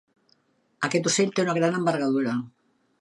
Aquest ocell té una gran envergadura.